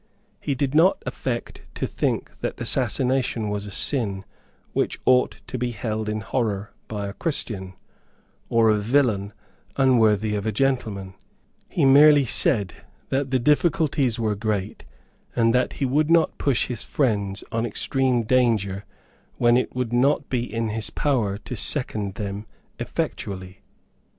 He did not affect to think that assassination was a sin which ought to be held in horror by a Christian, or a villany unworthy of a gentleman; he merely said that the difficulties were great, and that he would not push his friends on extreme danger when it would not be in his power to second them effectually.